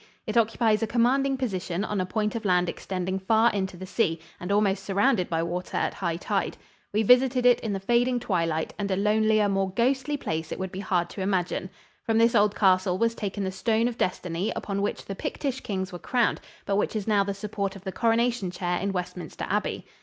It occupies a commanding position on a point of land extending far into the sea and almost surrounded by water at high tide. We visited it in the fading twilight, and a lonelier, more ghostly place it would be hard to imagine. From this old castle was taken the stone of destiny upon which the Pictish kings were crowned, but which is now the support of the coronation chair in Westminster Abbey.